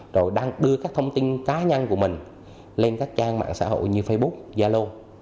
rồi đưa các thông tin cá nhân của mình lên các trang mạng xã hội như facebook yalo